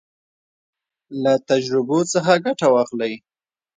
له تجربو څخه ګټه واخلئ.